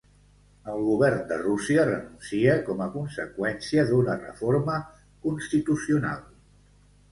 El govern de Rússia renuncia com a conseqüència d'una reforma constitucional.